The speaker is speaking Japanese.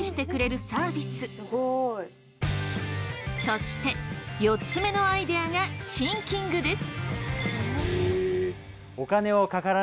そして４つ目のアイデアがシンキングです！